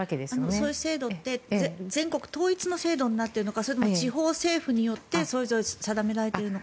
そういう制度って全国統一の制度になっているのかそれとも地方政府によってそれぞれ定められているのか。